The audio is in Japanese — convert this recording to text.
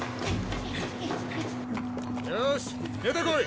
よーし出てこい！